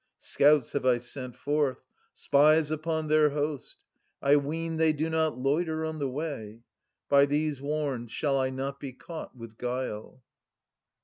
Scouts have I sent forth, spies upon their host — I ween they do not loiter on the way ;— By these warned, shall I not be caught with guile.